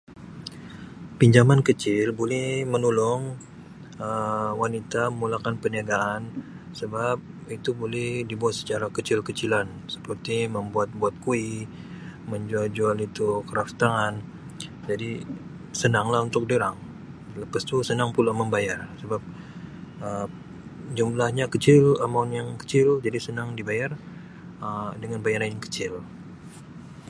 Pinjaman kecil boleh menolong Um wanita memulakan perniagaan sebab itu buleh dibuat secara kecil-kecilan seperti membuat-buat kuih menjual-jual itu kraftangan jadi senanglah untuk diorang lepas tu senang pula membayar sebab Um jumlahnya kecil, amount yang kecil jadi senang dibayar dengan Um bayaran yang kecil